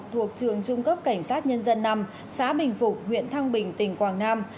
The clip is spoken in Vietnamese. thuộc trường trung cấp cảnh sát nhân dân năm xã bình phục huyện thăng bình tỉnh quảng nam